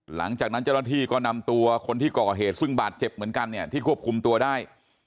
หลังจากนั้นเจ้าหน้าที่ก็นำตัวคนที่ก่อเหตุซึ่งบาดเจ็บเหมือนกันเนี่ยที่ควบคุมตัวได้